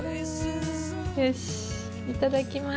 よしいただきます。